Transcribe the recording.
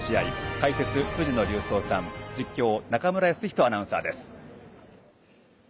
解説、辻野隆三さん実況、中村泰人アナウンサーです。